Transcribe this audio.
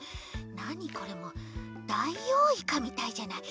なにこれもうダイオウイカみたいじゃない。